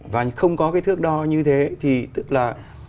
và không có cái thước đo như thế thì tức là